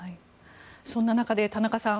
そんな中で田中さん